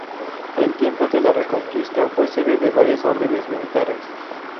En tiempos de la Reconquista fue sede de varias órdenes militares.